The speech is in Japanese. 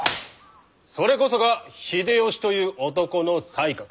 それこそが秀吉という男の才覚。